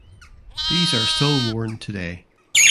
These are still worn today.